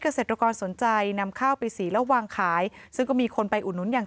เกษตรกรสนใจนำข้าวไปสีแล้ววางขายซึ่งก็มีคนไปอุดหนุนอย่าง